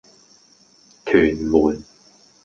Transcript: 屯門